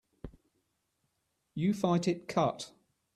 You fight it cut.